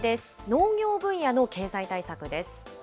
農業分野の経済対策です。